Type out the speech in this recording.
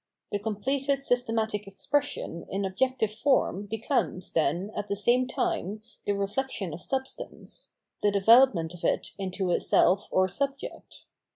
The completed systematic expression in objective form becomes, then, at the same time the re flection of substance, the development of it into a self or subject.